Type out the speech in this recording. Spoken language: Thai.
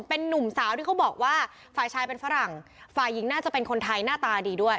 เป็นนุ่มสาวที่เขาบอกว่าฝ่ายชายเป็นฝรั่งฝ่ายหญิงน่าจะเป็นคนไทยหน้าตาดีด้วย